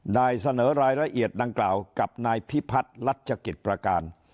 ได้เสนอรายละเอียดดังกล่าวกับนายพิพัฒน์รัชกิจประการ